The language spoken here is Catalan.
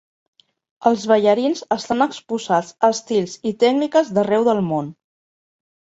Els ballarins estan exposats a estils i tècniques d'arreu del món.